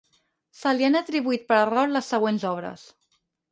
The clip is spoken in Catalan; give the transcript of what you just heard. Se li han atribuït per error les següents obres.